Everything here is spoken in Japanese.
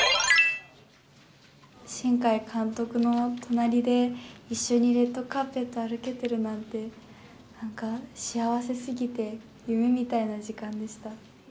新海監督の隣で一緒にレッドカーペットを歩けてるなんて、なんか幸せすぎて、夢みたいな時間でした。